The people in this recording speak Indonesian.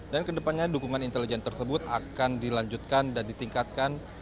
dan kedepannya dukungan intelijen tersebut akan dilanjutkan dan ditingkatkan